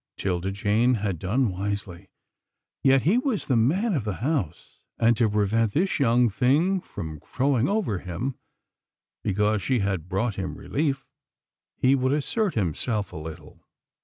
'Tilda Jane had done wisely, yet he was the man of the house, and to prevent this young thing from crowing over him, because she had brought him relief, he would assert himself a little.